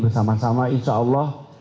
bersama sama insya allah